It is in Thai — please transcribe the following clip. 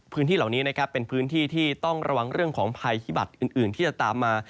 พื้นที่เหล่านี้นะครับเป็นพื้นที่ที่ต้องระวังเรื่องของภัยพิบัตรอื่นที่จะตามมา